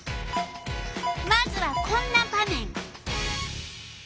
まずはこんな場面！